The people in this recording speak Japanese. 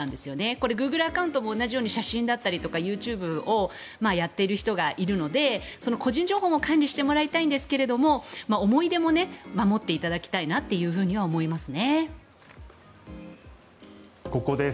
これ、グーグルアカウントも同じように写真だったりとかＹｏｕＴｕｂｅをやっている人がいるので個人情報も管理してもらいたいんですが思い出も守っていただきたいなとは思いますね。